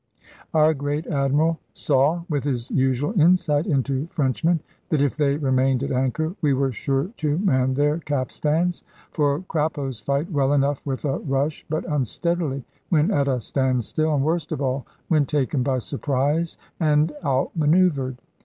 Our great Admiral saw, with his usual insight into Frenchmen, that if they remained at anchor we were sure to man their capstans. For Crappos fight well enough with a rush, but unsteadily when at a standstill, and worst of all when taken by surprise and outmanœuvred.